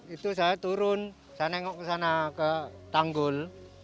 itu saya turun saya nengok ke sana ke tanggul